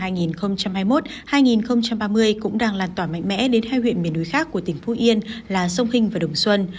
năm hai nghìn hai mươi một hai nghìn ba mươi cũng đang lan tỏa mạnh mẽ đến hai huyện miền núi khác của tỉnh phú yên là sông hinh và đồng xuân